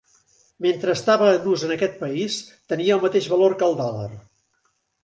Mentre estava en ús en aquest país tenia el mateix valor que el dòlar.